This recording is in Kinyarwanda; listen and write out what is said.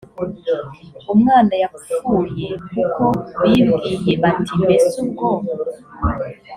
umwana yapfuye kuko bibwiye bati mbese ubwo